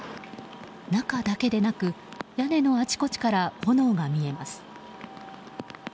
中だけでなく屋根のあちこちから炎が見えます。